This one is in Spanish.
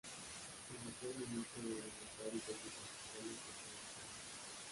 El actual ministro de Bienestar y Servicios Sociales es Haim Katz.